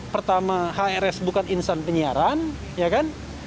pertama hrs bukan insan penyiaran ya kan